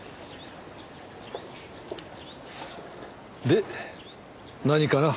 で何かな？